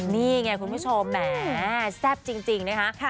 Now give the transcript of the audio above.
นี่ไงคุณผู้ชมแหมแซ่บจริงนะคะ